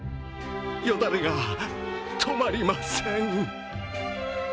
よだれが止まりません。